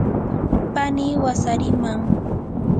pani wasariman.